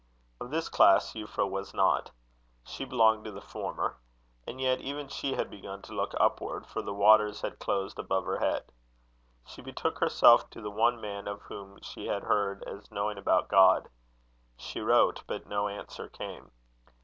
Of this class Euphra was not. She belonged to the former. And yet even she had begun to look upward, for the waters had closed above her head. She betook herself to the one man of whom she had heard as knowing about God. She wrote, but no answer came.